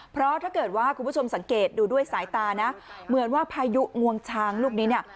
เพราะถ้าเกิดว่าคุณผู้ชมสังเกตดูด้วยสายตานะเหมือนว่าพายุงวงช้างลูกนี้เนี่ย